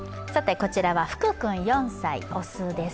こちらは福君４歳、雄です。